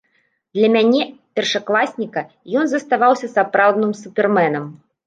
Для мяне, першакласніка, ён заставаўся сапраўдным суперменам.